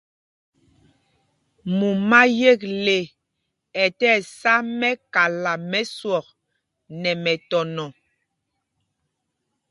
Mumá yekle ɛ sá mɛ́kala mɛ swɔk nɛ mɛtɔnɔ.